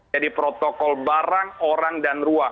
jadi protokol barang orang dan ruang